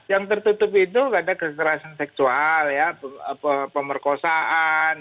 yang tertutup itu karena kekerasan seksual pemerkosaan